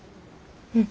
うん。